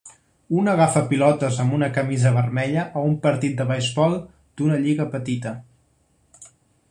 Un agafa pilotes amb una camisa vermella a un partit de beisbol d"una lliga petita.